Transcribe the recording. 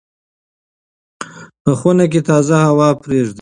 په خونه کې تازه هوا پرېږدئ.